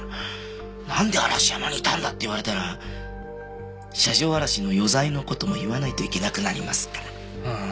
「なんで嵐山にいたんだ？」って言われたら車上荒らしの余罪の事も言わないといけなくなりますから。